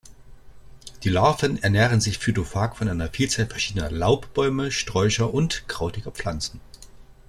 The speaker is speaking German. Die Larven ernähren sich phytophag von einer Vielzahl verschiedener Laubbäume, -sträucher und krautiger Pflanzen.